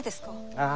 ああ。